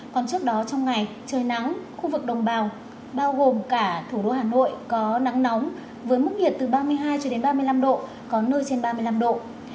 còn trước đó trong ngày trời nắng khu vực đồng bào bao gồm cả thủ đô hà nội có nắng nóng với mức nhiệt từ ba mươi hai cho đến ba mươi năm độ có nơi trên ba mươi năm độ